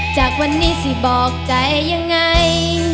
จากวันนี้สิบอกใจยังไง